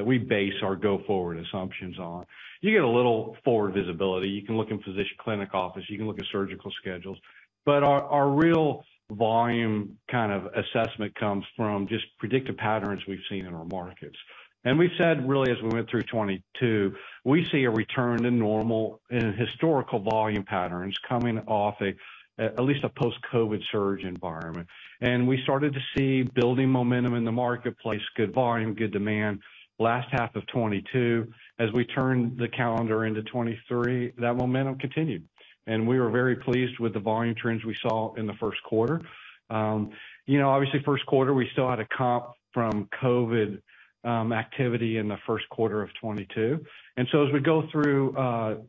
We base our go forward assumptions on. You get a little forward visibility. You can look in physician clinic office, you can look at surgical schedules. Our real volume kind of assessment comes from just predictive patterns we've seen in our markets. We said, really as we went through 2022, we see a return to normal in historical volume patterns coming off at least a post-COVID surge environment. We started to see building momentum in the marketplace, good volume, good demand last half of 2022. As we turned the calendar into 2023, that momentum continued. We were very pleased with the volume trends we saw in the first quarter. You know, obviously first quarter, we still had a comp from COVID activity in the first quarter of 2022. As we go through,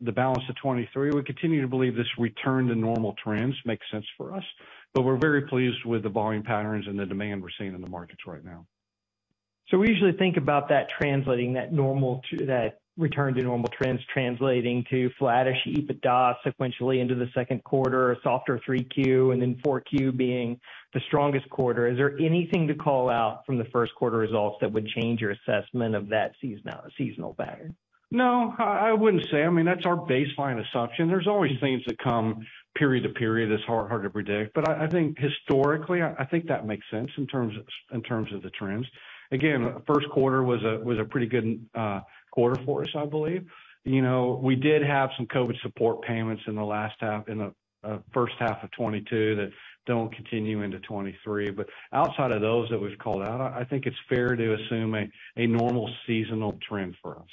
the balance of 23, we continue to believe this return to normal trends makes sense for us. We're very pleased with the volume patterns and the demand we're seeing in the markets right now. We usually think about that return to normal trends translating to flattish EBITDA sequentially into the second quarter, a softer three Q, and then four Q being the strongest quarter. Is there anything to call out from the first quarter results that would change your assessment of that seasonal pattern? No, I wouldn't say. I mean, that's our baseline assumption. There's always things that come period to period that's hard to predict. I think historically, I think that makes sense in terms of the trends. Again, first quarter was a, was a pretty good quarter for us, I believe. You know, we did have some COVID support payments in the first half of 22 that don't continue into 23. Outside of those that we've called out, I think it's fair to assume a normal seasonal trend for us.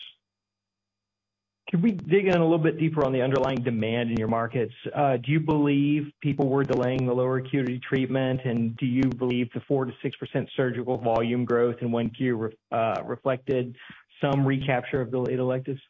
Can we dig in a little bit deeper on the underlying demand in your markets? Do you believe people were delaying the lower acuity treatment? Do you believe the 4%-6% surgical volume growth in 1Q reflected some recapture of delayed electives?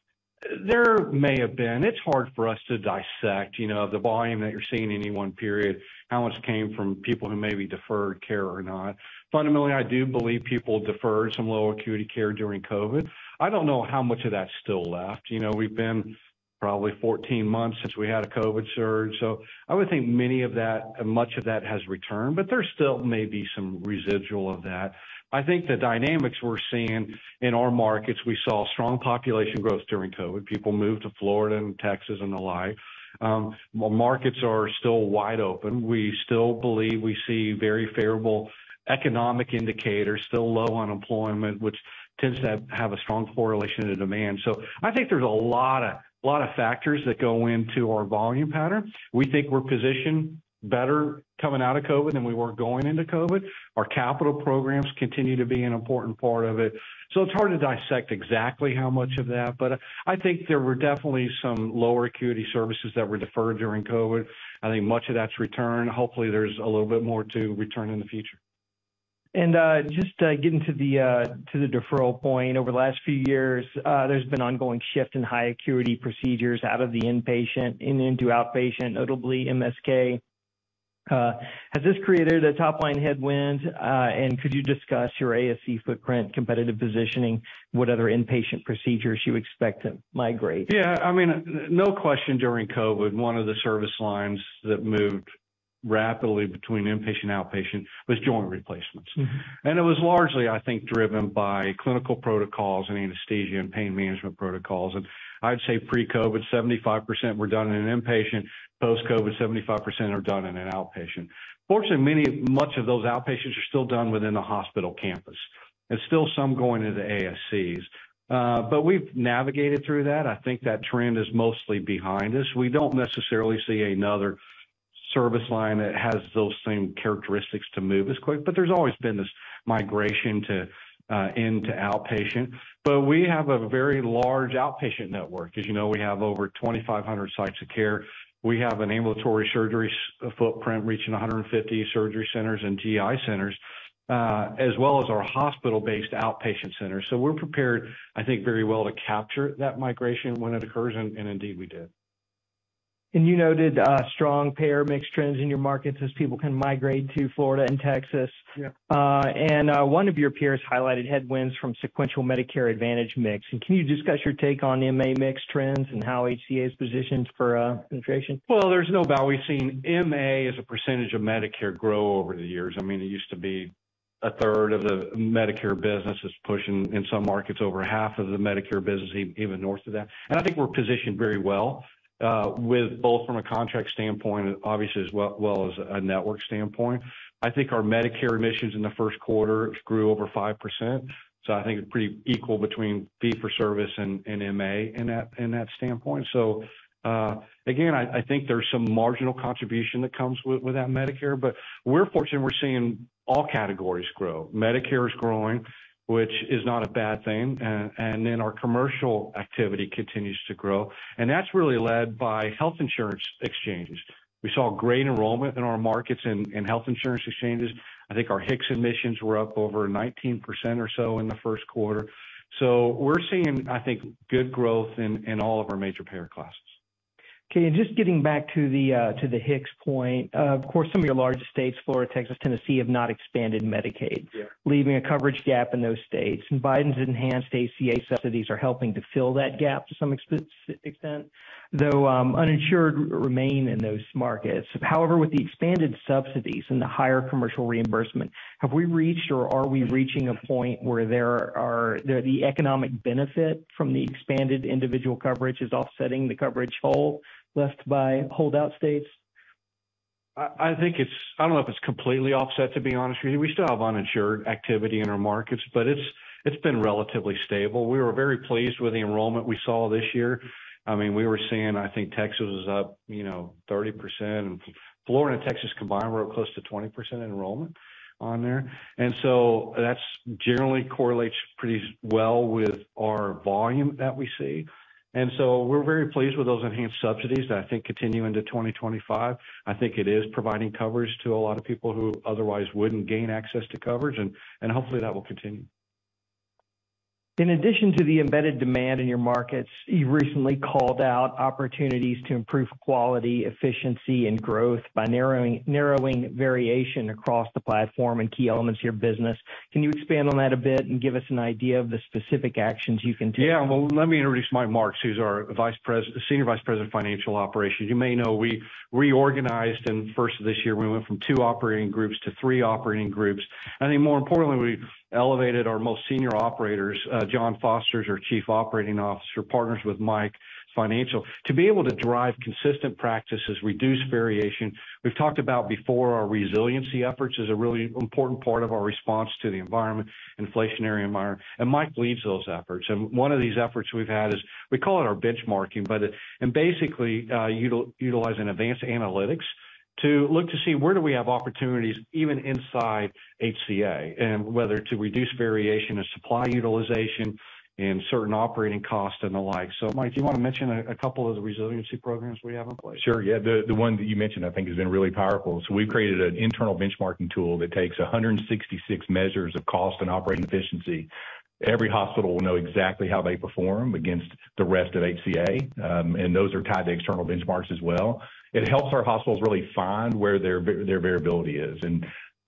There may have been. It's hard for us to dissect, you know, the volume that you're seeing in any one period, how much came from people who maybe deferred care or not. Fundamentally, I do believe people deferred some low acuity care during COVID. I don't know how much of that's still left. You know, we've been probably 14 months since we had a COVID surge, so I would think much of that has returned, but there still may be some residual of that. I think the dynamics we're seeing in our markets, we saw strong population growth during COVID. People moved to Florida and Texas and the like. markets are still wide open. We still believe we see very favorable economic indicators, still low unemployment, which tends to have a strong correlation to demand. I think there's a lotta factors that go into our volume pattern. We think we're positioned better coming out of COVID than we were going into COVID. Our capital programs continue to be an important part of it. It's hard to dissect exactly how much of that, but I think there were definitely some lower acuity services that were deferred during COVID. I think much of that's returned. Hopefully, there's a little bit more to return in the future. Just getting to the deferral point, over the last few years, there's been ongoing shift in high acuity procedures out of the inpatient and into outpatient, notably MSK. Has this created a top-line headwind? Could you discuss your ASC footprint, competitive positioning, what other inpatient procedures you expect to migrate? I mean, no question during COVID, one of the service lines that moved rapidly between inpatient, outpatient was joint replacements. Mm-hmm. It was largely, I think, driven by clinical protocols and anesthesia and pain management protocols. I'd say pre-COVID, 75% were done in an inpatient. Post-COVID, 75% are done in an outpatient. Fortunately, much of those outpatients are still done within a hospital campus. There's still some going into ASCs. We've navigated through that. I think that trend is mostly behind us. We don't necessarily see another service line that has those same characteristics to move as quick, but there's always been this migration to outpatient. We have a very large outpatient network. As you know, we have over 2,500 sites of care. We have an ambulatory surgery footprint reaching 150 surgery centers and GI centers, as well as our hospital-based outpatient centers. We're prepared, I think, very well to capture that migration when it occurs, and indeed we did. You noted, strong payer mix trends in your markets as people can migrate to Florida and Texas. Yeah. One of your peers highlighted headwinds from sequential Medicare Advantage mix. Can you discuss your take on MA mix trends and how HCA is positioned for penetration? There's no doubt we've seen MA as a percentage of Medicare grow over the years. I mean, it used to be a third of the Medicare business is pushing in some markets over half of the Medicare business, even north of that. I think we're positioned very well with both from a contract standpoint, obviously, as well as a network standpoint. I think our Medicare admissions in the first quarter grew over 5%, I think it's pretty equal between fee for service and MA in that standpoint. Again, I think there's some marginal contribution that comes with that Medicare, we're fortunate we're seeing all categories grow. Medicare is growing, which is not a bad thing, and our commercial activity continues to grow. That's really led by health insurance exchanges. We saw great enrollment in our markets in health insurance exchanges. I think our HIX admissions were up over 19% or so in the first quarter. We're seeing, I think, good growth in all of our major payer classes. Okay, just getting back to the HIX point. Of course, some of your larger states, Florida, Texas, Tennessee, have not expanded Medicaid... Yeah... leaving a coverage gap in those states. Biden's enhanced ACA subsidies are helping to fill that gap to some extent, though, uninsured remain in those markets. However, with the expanded subsidies and the higher commercial reimbursement, have we reached or are we reaching a point where the economic benefit from the expanded individual coverage is offsetting the coverage hole left by holdout states? I think it's. I don't know if it's completely offset, to be honest with you. We still have uninsured activity in our markets, but it's been relatively stable. We were very pleased with the enrollment we saw this year. I mean, we were seeing, I think, Texas was up, you know, 30%. Florida and Texas combined were up close to 20% enrollment on there. That's generally correlates pretty well with our volume that we see. We're very pleased with those enhanced subsidies that I think continue into 2025. I think it is providing coverage to a lot of people who otherwise wouldn't gain access to coverage, and hopefully that will continue. In addition to the embedded demand in your markets, you recently called out opportunities to improve quality, efficiency, and growth by narrowing variation across the platform and key elements of your business. Can you expand on that a bit and give us an idea of the specific actions you can take? Yeah. Well, let me introduce Mike Marks, who's our Senior Vice President of Financial Operations. You may know we reorganized in the first of this year. We went from two operating groups to three operating groups. I think more importantly, we elevated our most senior operators. Jon Foster is our Chief Operating Officer, partners with Mike, Financial, to be able to drive consistent practices, reduce variation. We've talked about before our resiliency efforts is a really important part of our response to the environment, inflationary environment. Mike leads those efforts. One of these efforts we've had is we call it our benchmarking, but basically, utilizing advanced analytics to look to see where do we have opportunities even inside HCA, and whether to reduce variation of supply utilization and certain operating costs and the like. Mike, do you wanna mention a couple of the resiliency programs we have in place? Sure, yeah. The one that you mentioned I think has been really powerful. We've created an internal benchmarking tool that takes 166 measures of cost and operating efficiency. Every hospital will know exactly how they perform against the rest of HCA, and those are tied to external benchmarks as well. It helps our hospitals really find where their variability is.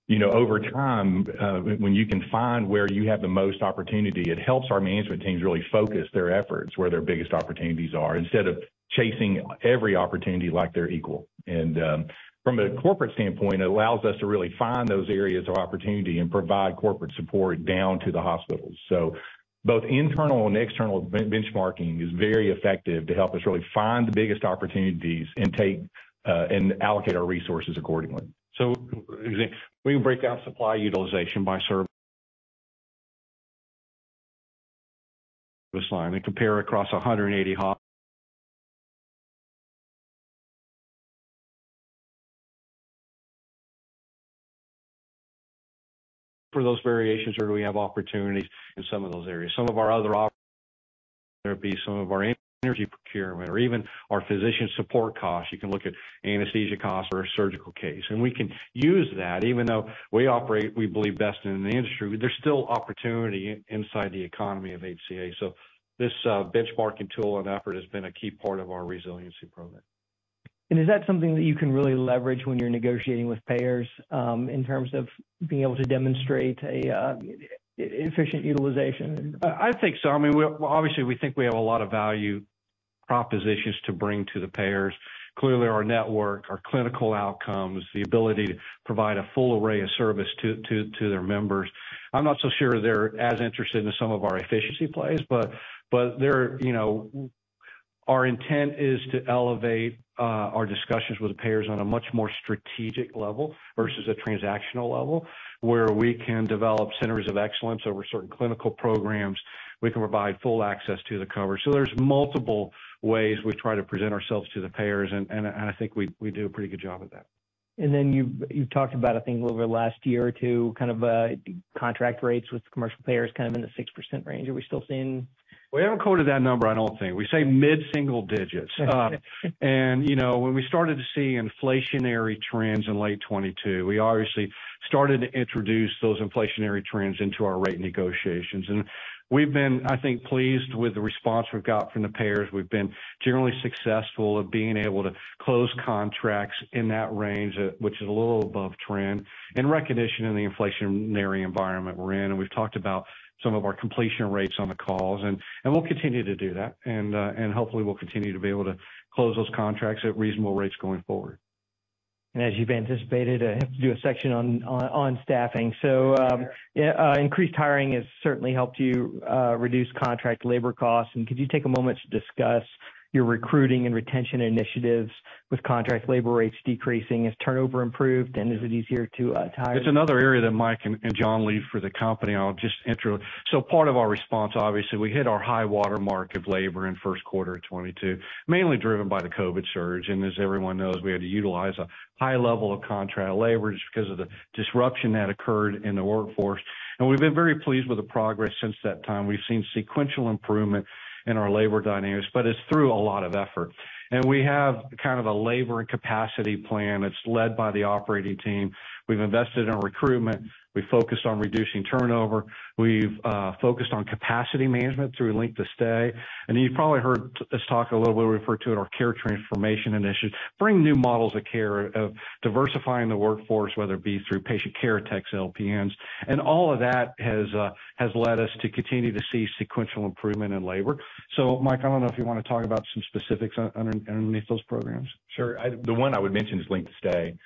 You know, over time, when you can find where you have the most opportunity, it helps our management teams really focus their efforts where their biggest opportunities are instead of chasing every opportunity like they're equal. From a corporate standpoint, it allows us to really find those areas of opportunity and provide corporate support down to the hospitals. Both internal and external benchmarking is very effective to help us really find the biggest opportunities and take and allocate our resources accordingly. We break out supply utilization by service line and compare across 180 for those variations, or do we have opportunities in some of those areas. Some of our other there'd be some of our energy procurement or even our physician support costs. You can look at anesthesia costs or a surgical case. We can use that. Even though we operate, we believe, best in the industry, there's still opportunity inside the economy of HCA. This benchmarking tool and effort has been a key part of our resiliency program. Is that something that you can really leverage when you're negotiating with payers, in terms of being able to demonstrate a efficient utilization? I think so. I mean, obviously, we think we have a lot of value propositions to bring to the payers. Clearly, our network, our clinical outcomes, the ability to provide a full array of service to their members. I'm not so sure they're as interested in some of our efficiency plays, but they're, you know. Our intent is to elevate our discussions with the payers on a much more strategic level versus a transactional level, where we can develop centers of excellence over certain clinical programs. We can provide full access to the cover. There's multiple ways we try to present ourselves to the payers and I think we do a pretty good job at that. Then you've talked about, I think, over the last year or two, kind of, contract rates with commercial payers kind of in the 6% range. Are we still seeing? We haven't quoted that number, I don't think. We say mid-single digits. You know, when we started to see inflationary trends in late 2022, we obviously started to introduce those inflationary trends into our rate negotiations. We've been, I think, pleased with the response we've got from the payers. We've been generally successful at being able to close contracts in that range, which is a little above trend, in recognition of the inflationary environment we're in. We've talked about some of our completion rates on the calls, and we'll continue to do that. Hopefully, we'll continue to be able to close those contracts at reasonable rates going forward. As you've anticipated, I have to do a section on staffing. Increased hiring has certainly helped you reduce contract labor costs. Could you take a moment to discuss your recruiting and retention initiatives with contract labor rates decreasing? Has turnover improved, and is it easier to hire? It's another area that Mike and John lead for the company. I'll just intro it. Part of our response, obviously, we hit our high-water mark of labor in first quarter of 2022, mainly driven by the COVID surge. As everyone knows, we had to utilize a high level of contract labor just 'cause of the disruption that occurred in the workforce. We've been very pleased with the progress since that time. We've seen sequential improvement in our labor dynamics, but it's through a lot of effort. We have kind of a labor and capacity plan that's led by the operating team. We've invested in recruitment. We've focused on reducing turnover. We've focused on capacity management through length of stay. You've probably heard us talk a little, where we refer to it, our Care Transformation Initiative, bring new models of care, of diversifying the workforce, whether it be through patient care techs, LPNs. All of that has led us to continue to see sequential improvement in labor. Mike, I don't know if you wanna talk about some specifics underneath those programs. Sure. The one I would mention is length of stay. You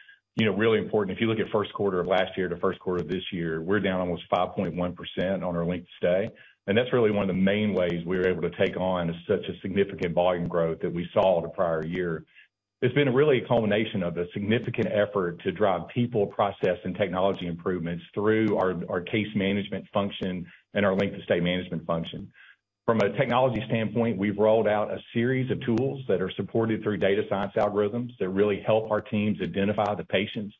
know, really important. If you look at first quarter of last year to first quarter of this year, we're down almost 5.1% on our length of stay. That's really one of the main ways we were able to take on such a significant volume growth that we saw the prior year. It's been really a culmination of the significant effort to drive people, process, and technology improvements through our case management function and our length-of-stay management function. From a technology standpoint, we've rolled out a series of tools that are supported through data science algorithms that really help our teams identify the patients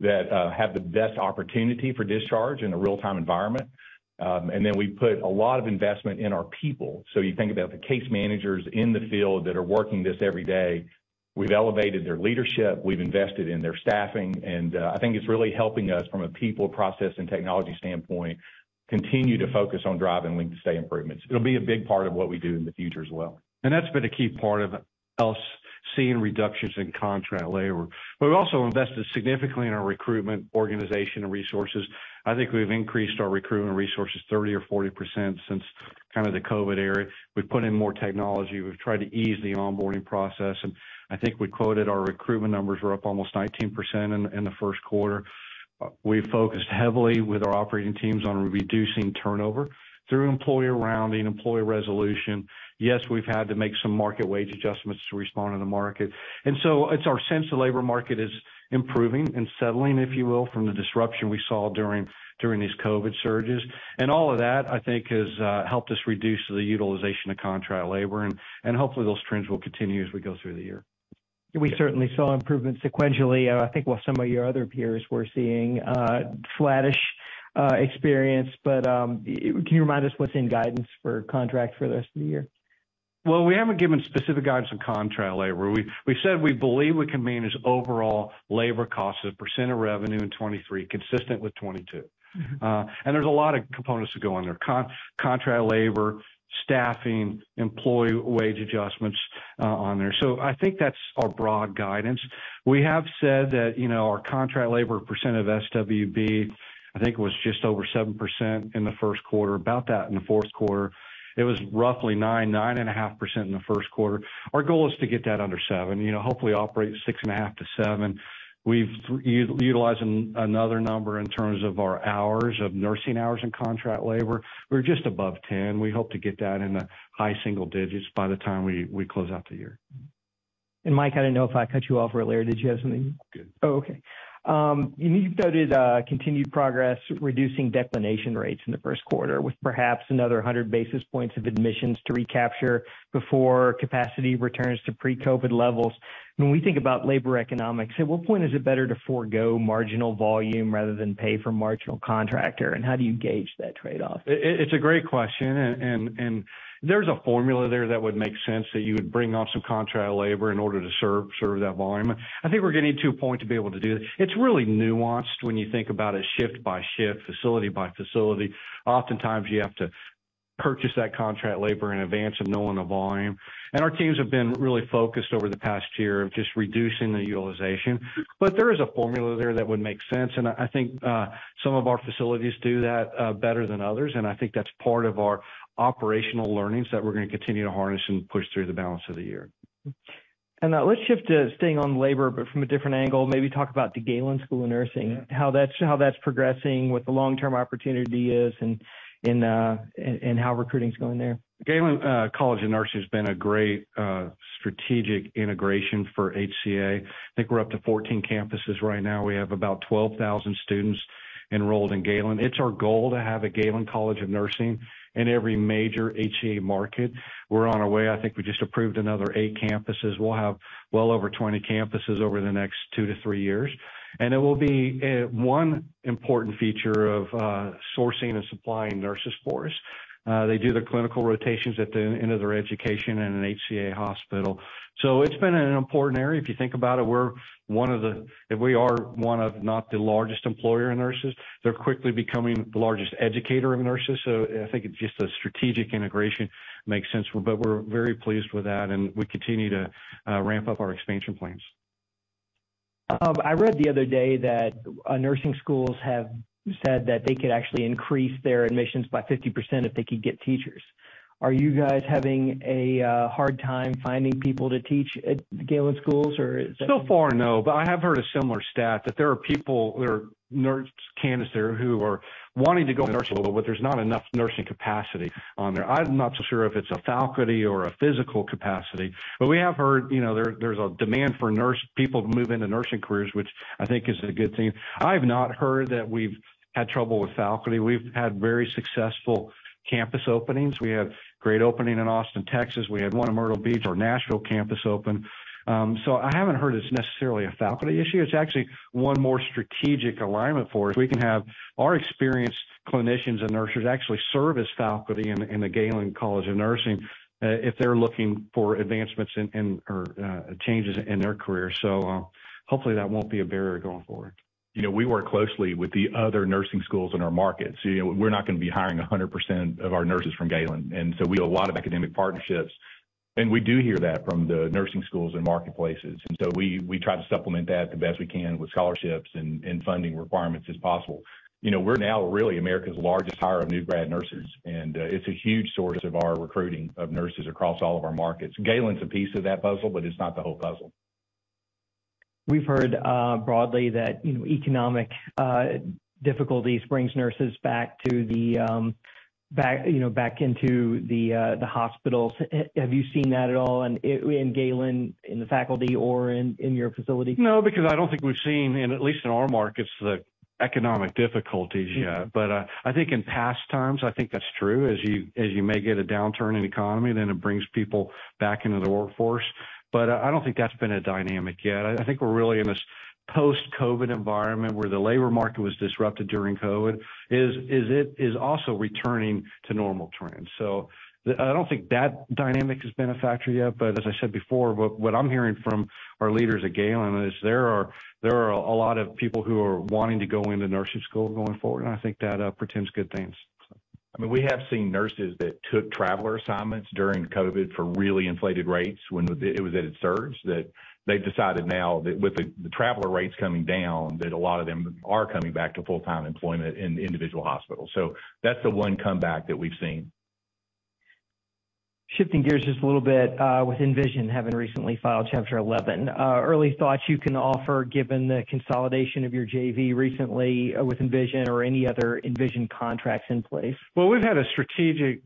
that have the best opportunity for discharge in a real-time environment. We put a lot of investment in our people. You think about the case managers in the field that are working this every day, we've elevated their leadership, we've invested in their staffing, and I think it's really helping us from a people, process, and technology standpoint, continue to focus on driving length of stay improvements. It'll be a big part of what we do in the future as well. That's been a key part of us seeing reductions in contract labor. We've also invested significantly in our recruitment organization and resources. I think we've increased our recruitment resources 30% or 40% since kind of the COVID era. We've put in more technology. We've tried to ease the onboarding process, and I think we quoted our recruitment numbers were up almost 19% in the first quarter. We've focused heavily with our operating teams on reducing turnover through employee rounding, employee resolution. Yes, we've had to make some market wage adjustments to respond to the market. It's our sense the labor market is improving and settling, if you will, from the disruption we saw during these COVID surges. All of that, I think, has helped us reduce the utilization of contract labor, and hopefully those trends will continue as we go through the year. We certainly saw improvement sequentially, and I think while some of your other peers were seeing a flattish experience, but, can you remind us what's in guidance for contract for the rest of the year? We haven't given specific guidance on contract labor. We said we believe we can manage overall labor costs as a percentage of revenue in 2023, consistent with 2022. Mm-hmm. There's a lot of components that go in there. Contract labor, staffing, employee wage adjustments on there. I think that's our broad guidance. We have said that our contract labor percent of SWB, I think it was just over 7% in the first quarter, about that in the fourth quarter. It was roughly 9.5% in the first quarter. Our goal is to get that under seven. Hopefully operate 6.5-7. We've utilized another number in terms of our hours, of nursing hours in contract labor. We're just above 10. We hope to get that in the high single digits by the time we close out the year. Mike, I don't know if I cut you off earlier. Did you have something? I'm good. Okay. You noted continued progress reducing declination rates in the first quarter, with perhaps another 100 basis points of admissions to recapture before capacity returns to pre-COVID levels. When we think about labor economics, at what point is it better to forgo marginal volume rather than pay for marginal contractor, and how do you gauge that trade-off? It's a great question and there's a formula there that would make sense that you would bring on some contract labor in order to serve that volume. I think we're getting to a point to be able to do that. It's really nuanced when you think about it shift by shift, facility by facility. Oftentimes, you have to purchase that contract labor in advance of knowing the volume. Our teams have been really focused over the past year of just reducing the utilization. There is a formula there that would make sense, and I think some of our facilities do that better than others, and I think that's part of our operational learnings that we're gonna continue to harness and push through the balance of the year. Let's shift to staying on labor, but from a different angle. Maybe talk about the Galen School of Nursing, how that's progressing, what the long-term opportunity is and how recruiting's going there? Galen College of Nursing has been a great strategic integration for HCA. I think we're up to 14 campuses right now. We have about 12,000 students enrolled in Galen. It's our goal to have a Galen College of Nursing in every major HCA market. We're on our way. I think we just approved another eight campuses. We'll have well over 20 campuses over the next 2 to 3 years. It will be one important feature of sourcing and supplying nurses for us. They do the clinical rotations at the end of their education in an HCA hospital. It's been an important area. If you think about it, if we are one of, if not the largest employer of nurses, they're quickly becoming the largest educator of nurses. I think it's just a strategic integration makes sense for. We're very pleased with that, and we continue to ramp up our expansion plans. I read the other day that nursing schools have said that they could actually increase their admissions by 50% if they could get teachers. Are you guys having a hard time finding people to teach at Galen Schools? Far, no. I have heard a similar stat, that there are nurse candidates there who are wanting to go to nursing school, but there's not enough nursing capacity on there. I'm not so sure if it's a faculty or a physical capacity, we have heard, you know, there's a demand for people to move into nursing careers, which I think is a good thing. I have not heard that we've had trouble with faculty. We've had very successful campus openings. We had great opening in Austin, Texas. We had one in Myrtle Beach. Our Nashville campus opened. I haven't heard it's necessarily a faculty issue. It's actually one more strategic alignment for us. We can have our experienced clinicians and nurses actually serve as faculty in the Galen College of Nursing, if they're looking for advancements in or changes in their career. Hopefully, that won't be a barrier going forward. You know, we work closely with the other nursing schools in our market. You know, we're not gonna be hiring a hundred percent of our nurses from Galen. We have a lot of academic partnerships. We do hear that from the nursing schools and marketplaces. We, we try to supplement that the best we can with scholarships and funding requirements as possible. You know, we're now really America's largest hirer of new grad nurses, and it's a huge source of our recruiting of nurses across all of our markets. Galen's a piece of that puzzle, but it's not the whole puzzle. We've heard broadly that, you know, economic difficulties brings nurses, you know, back into the hospitals. Have you seen that at all in Galen in the faculty or in your facility? No, because I don't think we've seen, in at least in our markets, the economic difficulties yet. I think in past times, I think that's true, as you may get a downturn in economy, then it brings people back into the workforce. I don't think that's been a dynamic yet. I think we're really in this post-COVID environment where the labor market was disrupted during COVID, is also returning to normal trends. I don't think that dynamic has been a factor yet. As I said before, what I'm hearing from our leaders at Galen is there are a lot of people who are wanting to go into nursing school going forward, and I think that portends good things. I mean, we have seen nurses that took traveler assignments during COVID for really inflated rates when it was at its surge, that they've decided now that with the traveler rates coming down, that a lot of them are coming back to full-time employment in individual hospitals. That's the one comeback that we've seen. Shifting gears just a little bit, with Envision having recently filed Chapter Eleven. Early thoughts you can offer given the consolidation of your JV recently, with Envision or any other Envision contracts in place. We've had a strategic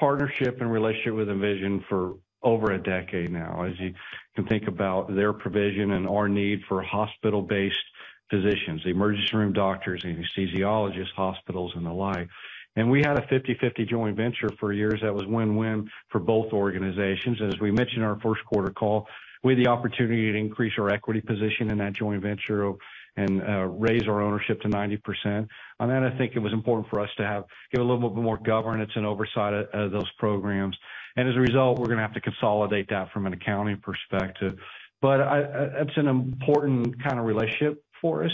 partnership and relationship with Envision for over a decade now. As you can think about their provision and our need for hospital-based physicians, emergency room doctors and anesthesiologists, hospitals and the like. We had a 50/50 joint venture for years that was win-win for both organizations. As we mentioned in our first quarter call, we had the opportunity to increase our equity position in that joint venture and raise our ownership to 90%. On that, I think it was important for us to have, get a little bit more governance and oversight of those programs. As a result, we're gonna have to consolidate that from an accounting perspective. It's an important kind of relationship for us.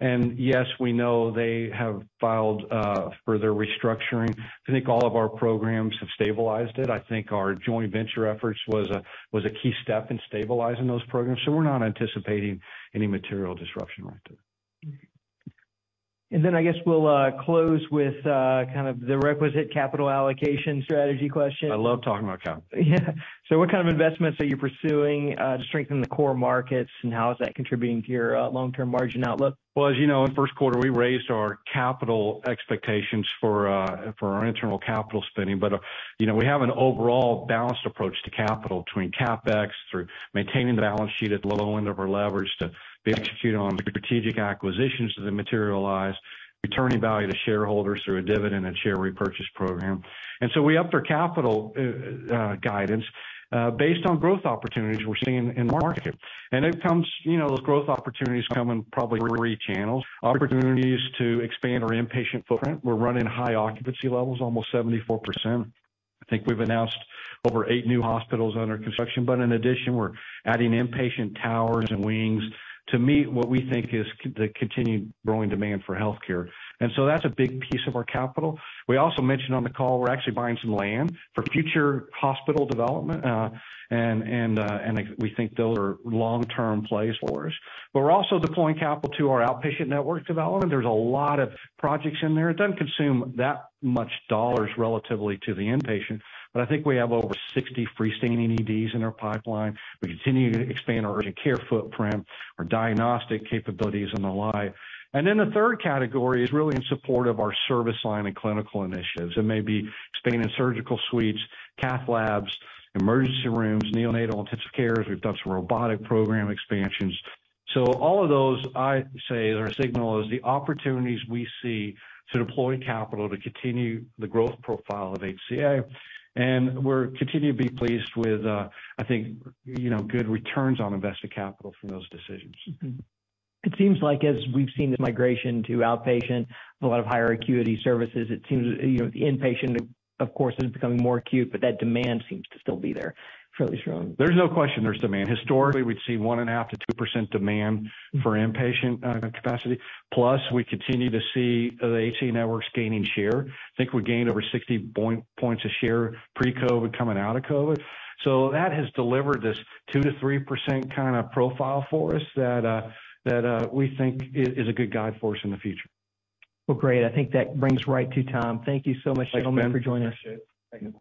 Yes, we know they have filed further restructuring. I think all of our programs have stabilized it. I think our joint venture efforts was a key step in stabilizing those programs. We're not anticipating any material disruption right there. I guess we'll close with kind of the requisite capital allocation strategy question. I love talking about capital. Yeah. What kind of investments are you pursuing to strengthen the core markets, and how is that contributing to your long-term margin outlook? Well, as you know, in the first quarter, we raised our capital expectations for our internal capital spending. You know, we have an overall balanced approach to capital between CapEx or maintaining the balance sheet at the low end of our leverage to be execute on strategic acquisitions as they materialize, returning value to shareholders through a dividend and share repurchase program. We upped our capital guidance based on growth opportunities we're seeing in the market. It comes, you know, those growth opportunities come in probably three channels. Opportunities to expand our inpatient footprint. We're running high occupancy levels, almost 74%. I think we've announced over eight new hospitals under construction. In addition, we're adding inpatient towers and wings to meet what we think is the continued growing demand for healthcare. That's a big piece of our capital. We also mentioned on the call we're actually buying some land for future hospital development. We think those are long-term plays for us. We're also deploying capital to our outpatient network development. There's a lot of projects in there. It doesn't consume that much dollars relatively to the inpatient, but I think we have over 60 freestanding EDs in our pipeline. We continue to expand our urgent care footprint, our diagnostic capabilities and the like. The third category is really in support of our service line and clinical initiatives. It may be expanding surgical suites, cath labs, emergency rooms, neonatal intensive care. We've done some robotic program expansions. All of those, I say or signal as the opportunities we see to deploy capital to continue the growth profile of HCA. We're continuing to be pleased with, I think, you know, good returns on invested capital from those decisions. It seems like as we've seen this migration to outpatient, a lot of higher acuity services, it seems, you know, the inpatient, of course, is becoming more acute, but that demand seems to still be there, fairly strong. There's no question there's demand. Historically, we'd see 1.5%2% demand for inpatient capacity. We continue to see the HCA networks gaining share. I think we gained over 60 points of share pre-COVID coming out of COVID. That has delivered this 2%-3% kinda profile for us that we think is a good guide for us in the future. Well, great. I think that brings us right to time. Thank you so much, gentlemen. Thanks, Ben. for joining us. Appreciate it. Thank you.